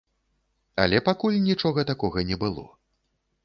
Але пакуль нічога такога не было.